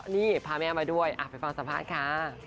นี่พาแม่มาด้วยไปฟังสัมภาษณ์ค่ะ